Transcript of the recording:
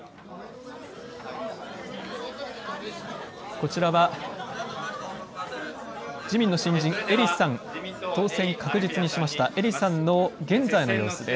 こちらは自民の新人英利さん当選確実にしました英利さんの現在の様子です。